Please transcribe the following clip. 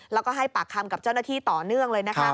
แล้วก็ให้ปากคำกับเจ้าหน้าที่ต่อเนื่องเลยนะคะ